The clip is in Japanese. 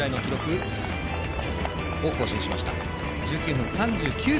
１９分３８秒。